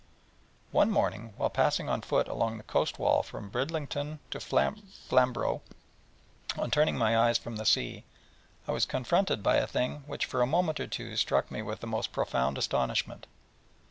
One morning, while passing on foot along the coast wall from Bridlington to Flambro', on turning my eyes from the sea, I was confronted by a thing which for a moment or two struck me with the most profound astonishment.